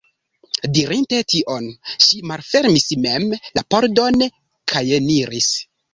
Dirinte tion, ŝi malfermis mem la pordon kajeniris.